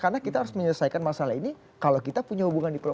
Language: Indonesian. karena kita harus menyelesaikan masalah ini kalau kita punya hubungan diplomatik